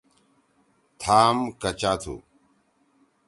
تھام کچا تُھو۔